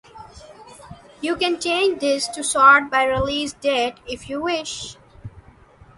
You can change this to sort by release date if you wish.